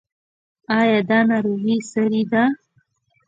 ایا دا ناروغي ساری ده؟